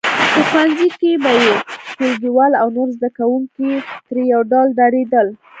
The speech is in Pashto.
په ښوونځي کې به یې ټولګیوال او نور زده کوونکي ترې یو ډول ډارېدل